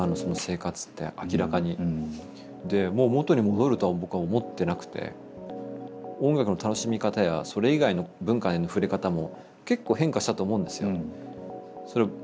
でもう元に戻るとは僕は思ってなくて音楽の楽しみ方やそれ以外の文化への触れ方も結構変化したと思うんですよ。